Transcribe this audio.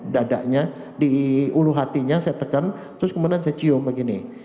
dadanya di ulu hatinya saya tekan terus kemudian saya cium begini